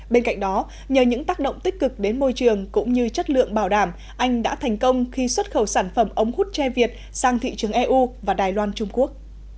bên cạnh đó nhờ những tác động tích cực đến môi trường cũng như chất lượng bảo đảm anh đã thành công khi xuất khẩu sản phẩm ống hút che việt sang thị trường eu và đài loan trung quốc